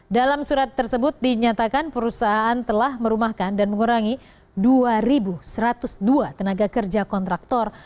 dalam surat tersebut dinyatakan perusahaan telah merumahkan dan mengurangi dua satu ratus dua tenaga kerja kontraktor